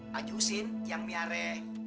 pak jusin yang miare